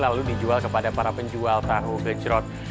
lalu dijual kepada para penjual tahu becerot